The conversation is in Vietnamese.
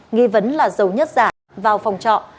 nghi vấn là dầu nhất giả vào phòng trọ